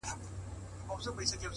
ستا د مخ له اب سره ياري کوي;